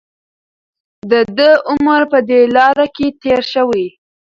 د ده عمر په دې لاره کې تېر شوی.